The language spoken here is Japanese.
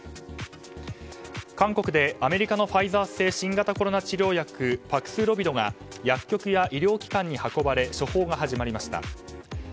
韓国でアメリカのファイザー製新型コロナ治療薬パクスロビドが薬局や医療機関に運ばれ処方が始まりました。